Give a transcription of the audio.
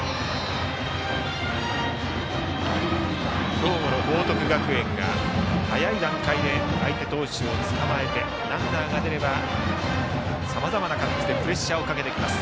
兵庫の報徳学園が早い段階で相手投手をつかまえてランナーが出ればさまざまな形でプレッシャーをかけてきます。